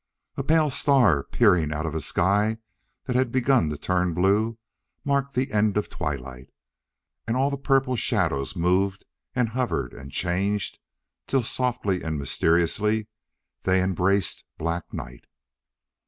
A pale star, peering out of a sky that had begun to turn blue, marked the end of twilight. And all the purple shadows moved and hovered and changed till, softly and mysteriously, they embraced black night.